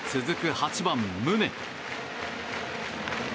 ８番、宗。